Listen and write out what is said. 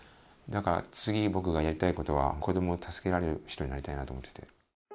次僕がやりたいことは子供を助けられる人になりたいなと思ってて。